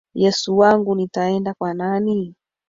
Yesu wangu nitaenda kwanani